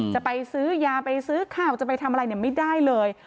จะไปซื้อยาไปซื้อข้าวจะไปทำอะไรไม่ได้เลย